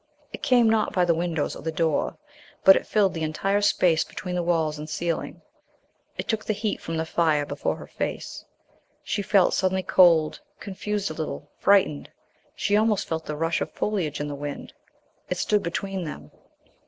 It came not by the windows or the door, but it filled the entire space between the walls and ceiling. It took the heat from the fire before her face. She felt suddenly cold, confused a little, frightened. She almost felt the rush of foliage in the wind. It stood between them.